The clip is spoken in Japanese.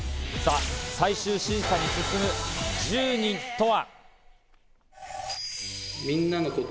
最終審査に進む１０人とは。